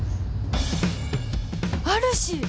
あるし！